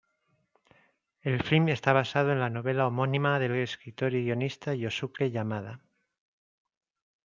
El filme está basado en la novela homónima del escritor y guionista Yusuke Yamada.